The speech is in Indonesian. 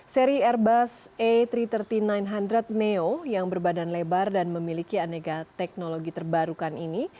seri airbus a tiga ratus tiga puluh sembilan ratus neo yang berbadan lebar dan memiliki aneka teknologi terbarukan ini